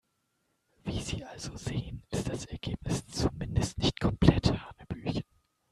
Wie Sie also sehen, ist das Ergebnis zumindest nicht komplett hanebüchen.